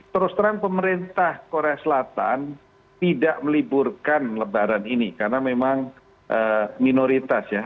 terus terang pemerintah korea selatan tidak meliburkan lebaran ini karena memang minoritas ya